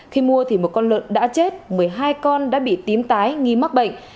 khi mua thì một con lợn đã chết một mươi hai con đã bị tím tái nghi mắc bệnh